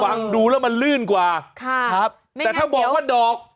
อ๋อฟังดูแล้วมันลื่นกว่าแต่ถ้าบอกว่าดอก